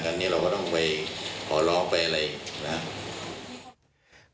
ในนี้เราต้องไปเหาะลองไปอะไรนะฮะ